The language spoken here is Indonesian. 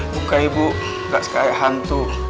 buka ibu gak suka kayak hantu